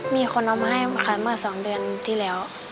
มีคนเอามาให้ค่ะเมื่อ๒เดือนที่แล้ว